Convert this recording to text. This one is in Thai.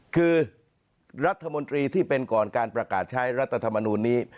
คือรัฐมนตรีที่เป็นก่อนการประกาศใช้รัฐธรรมนูลนี้